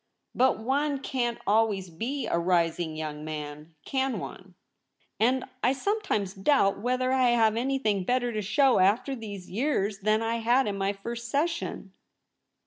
But one can't always be a rising young man, can one ? and I sometimes doubt whether I have any thing better to show after these years than I had in my first session.'